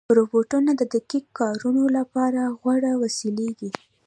روبوټونه د دقیق کارونو لپاره غوره وسیلې دي.